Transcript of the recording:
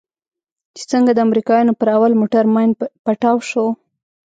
چې څنگه د امريکانو پر اول موټر ماين پټاو سو.